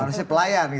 harusnya pelayan gitu